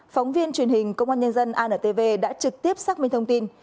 phóng viên truyền hình công an nhân dân antv đã trực tiếp xác minh thông tin